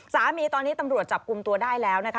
สามีตอนนี้ตำรวจจับกลุ่มตัวได้แล้วนะคะ